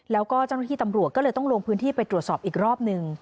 แล้วก็เจ้าหน้าที่ตำรวจก็เลยต้องลงพื้นที่ไปตรวจสอบอีกรอบหนึ่ง